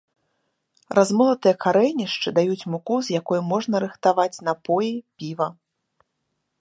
Размолатыя карэнішчы даюць муку, з якой можна рыхтаваць напоі, піва.